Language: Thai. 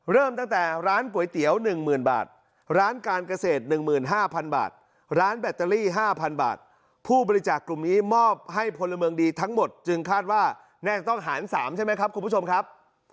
เริ่มตั้งแต่ร้านก๋วยเตี๋ยวหนึ่งหมื่นบาทร้านการเกษตรหนึ่งหมื่นห้าพันบาทร้านแบตเตอรี่ห้าพันบาทผู้บริจาคกลุ่มนี้มอบให้พลเมิงดีทั้งหมดจึงคาดว่าแน่ต้องหารสามใช่ไหมครับคุณผู้ชมครับ